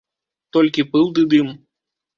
Толькі пыл ды дым.